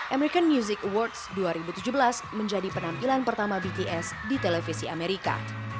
american music awards dua ribu tujuh belas menjadi penampilan pertama bts di televisi amerika